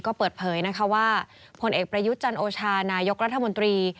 ก็เปิดเผยนะคะว่าผลเอกประยุทธ์จันโอชานายกรัฐมนตรี